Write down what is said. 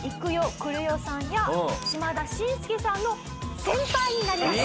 くるよさんや島田紳助さんの先輩になります。